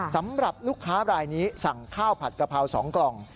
สำหรับลูกค้ารายนี้สั่งข้าวผัดกะเพรา๒กล่อง